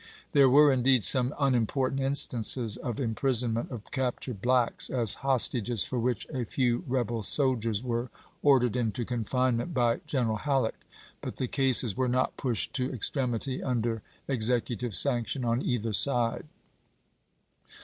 There were, indeed, some unimportant instances of imprison ment of captured blacks, as hostages for which a few rebel soldiers were ordered into confinement by Greneral Halleck, but the cases were not pushed to extremity under executive sanction on either side.